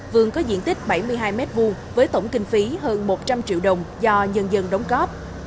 vườn có diện tích bảy mươi hai m hai với tổng kinh phí hơn một trăm linh triệu đồng do nhân dân đóng góp